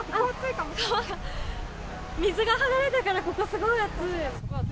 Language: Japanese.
水が離れたからここ、すごい熱い。